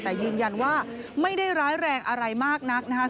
แต่ยืนยันว่าไม่ได้ร้ายแรงอะไรมากนักนะคะ